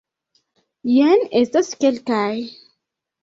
Jen estas kelkaj.